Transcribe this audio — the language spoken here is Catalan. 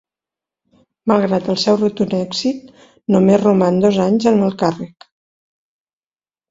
Malgrat el seu rotund èxit, només roman dos anys en el càrrec.